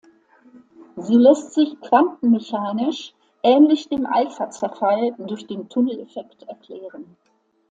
Sie lässt sich quantenmechanisch ähnlich dem Alpha-Zerfall durch den Tunneleffekt erklären.